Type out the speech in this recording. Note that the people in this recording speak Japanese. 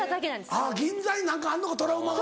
銀座に何かあんのかトラウマが。